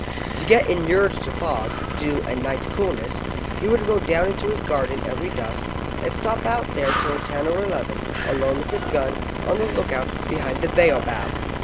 To get inured to fog, dew, and night coolness, he would go down into his garden every dusk, and stop out there till ten or eleven, alone with his gun, on the lookout, behind the baobab.